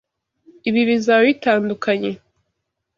Ibi bizaba bitandukanye.